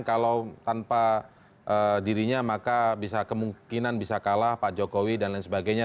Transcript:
kalau tanpa dirinya maka bisa kemungkinan bisa kalah pak jokowi dan lain sebagainya